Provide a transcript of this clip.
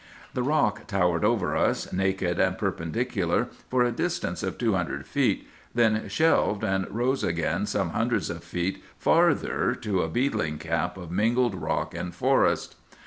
The rock towered over us, naked and perpendicular, for a distance of two hundred feet, then shelved, and rose again some hundreds of feet farther to a beetling cap of mingled rock and forest.